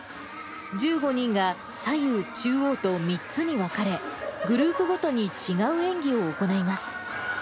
１５人が左右中央と３つに分かれ、グループごとに違う演技を行います。